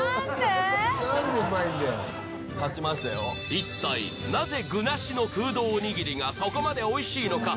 一体なぜ具なしの空洞おにぎりがそこまでおいしいのか？